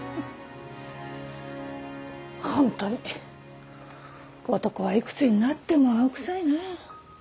ホントに男は幾つになっても青臭いな。